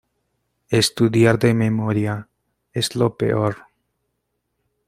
Estudiar de memoria es lo peor.